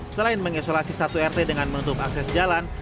selain mengisolasi satu rt dengan menutup akses jalan